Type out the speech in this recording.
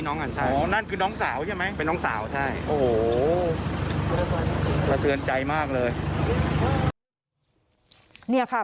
เนี่ยครับ